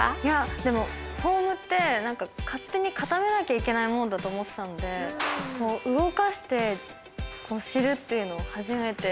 でもフォームって勝手に固めなきゃいけないものだと思ってたので動かして知るっていうの初めて。